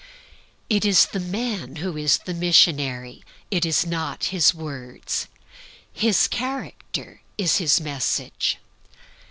It is the man who is the missionary, it is not his words. His character is his message.